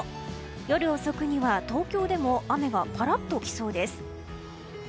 夜遅くには東京でも雨がぱらっときそうです。